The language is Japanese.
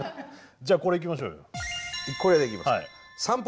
じゃあこれいきましょうよ。